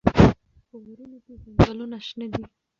په غرونو کې ځنګلونه شنه دي.